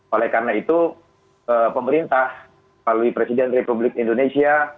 oleh karena itu pemerintah melalui presiden republik indonesia